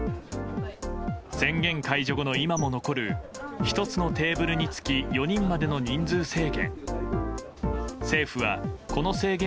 宣言解除後の今も残る１つのテーブルにつき４人までの人数制限。